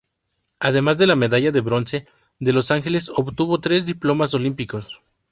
Además de la medalla de bronce de Los Ángeles obtuvo tres diplomas olímpicos.